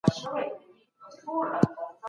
د انټرنیټ اسانتیاوې لومړنۍ اړتیا ده.